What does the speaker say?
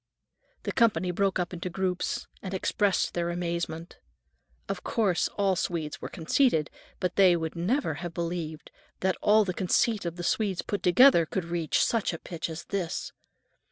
The company broke up into groups and expressed their amazement. Of course all Swedes were conceited, but they would never have believed that all the conceit of all the Swedes put together would reach such a pitch as this.